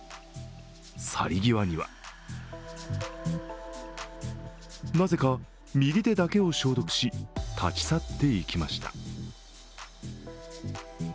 去り際には、なぜか右手だけを消毒し立ち去っていきました。